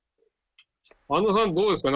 庵野さんどうですか？